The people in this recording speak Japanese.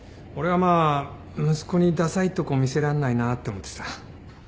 俺はまあ息子にださいとこ見せらんないなって思ってさ。